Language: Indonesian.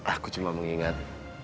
aku cuma mengingat